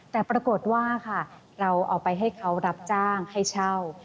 แต่ปรากฏว่าค่ะเราเอาไปให้เขารับจ้างให้เช่า